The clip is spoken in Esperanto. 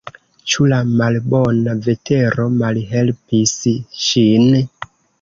Ĉu la malbona vetero malhelpis ŝin?